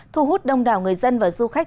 thu hút đông đảo người dân và du khách